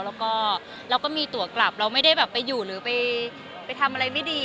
แล้วก็เราก็มีตัวกลับเราไม่ได้แบบไปอยู่หรือไปทำอะไรไม่ดี